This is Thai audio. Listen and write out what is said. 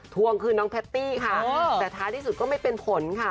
ทวงคืนน้องแพตตี้ค่ะแต่ท้ายที่สุดก็ไม่เป็นผลค่ะ